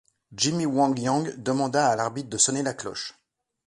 Jimmy Wang Yang demanda à l'arbitre de sonner la cloche.